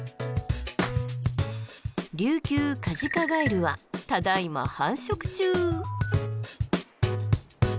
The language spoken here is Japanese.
リュウキュウカジカガエルはただいま繁殖中。